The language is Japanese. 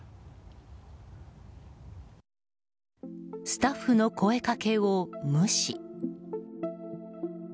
スタッフの声掛けを無視。